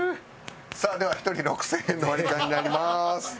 さあでは１人６０００円のワリカンになります。